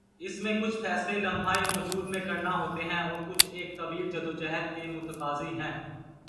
اس میں کچھ فیصلے لمحہ موجود میں کرنا ہوتے ہیں اور کچھ ایک طویل جدوجہد کے متقاضی ہیں۔